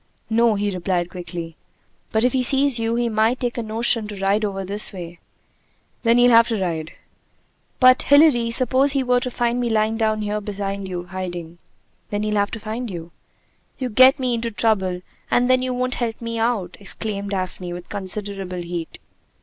"No," he replied quickly. "But if he sees you, he might take a notion to ride over this way!" "Then he'll have to ride." "But, Hilary, suppose he were to find me lying down here behind you, hiding?" "Then he'll have to find you." "You get me into trouble, and then you won't help me out!" exclaimed Daphne with considerable heat.